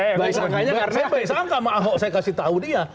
saya baik sangka sama ahok saya kasih tahu dia